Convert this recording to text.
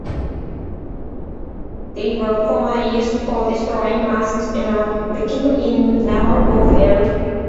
They were formerly used for destroying masts and rigging in naval warfare.